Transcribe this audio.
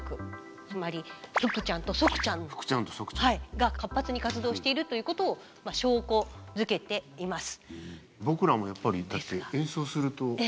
つまり腹ちゃんと側ちゃんが活発に活動しているということを証拠づけています。